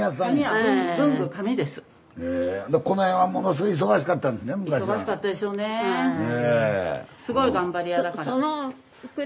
すごい頑張り屋だから。